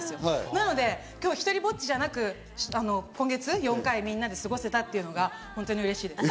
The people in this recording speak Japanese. なので、今日はひとりぼっちじゃなく今月４回、みんなで過ごせたというのが本当に嬉しいです。